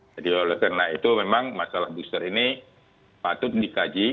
oleh karena itu memang masalah booster ini patut dikaji